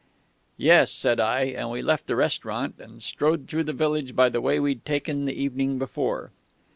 "'Yes,' said I; and we left the restaurant and strode through the village by the way we'd taken the evening before....